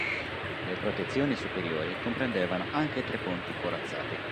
Le protezioni superiori comprendevano anche tre ponti corazzati.